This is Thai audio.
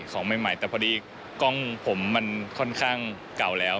ของใหม่แต่พอดีกล้องผมมันค่อนข้างเก่าแล้ว